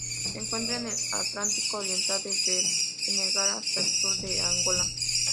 Se encuentra en el Atlántico oriental: desde el Senegal hasta el sur de Angola.